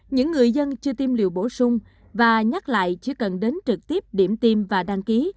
những người dân chưa tiêm liều bổ sung và nhắc lại chỉ cần đến trực tiếp điểm tim và đăng ký